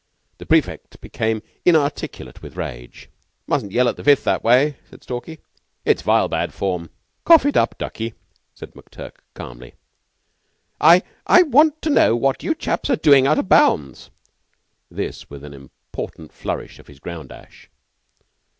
The prefect became inarticulate with rage. "Mustn't yell at the Fifth that way," said Stalky. "It's vile bad form." "Cough it up, ducky!" McTurk said calmly. "I I want to know what you chaps are doing out of bounds?" This with an important flourish of his ground ash.